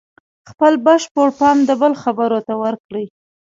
خپل بشپړ پام د بل خبرو ته ورکړئ.